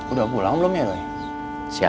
udah pulang belum bisa berpuasa